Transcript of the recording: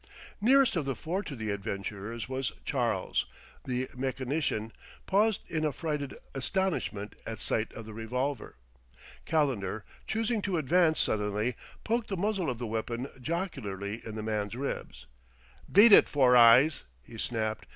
Nearest of the four to the adventurers was Charles, the mechanician, paused in affrighted astonishment at sight of the revolver. Calendar, choosing to advance suddenly, poked the muzzle of the weapon jocularly in the man's ribs. "Beat it, Four eyes!" he snapped.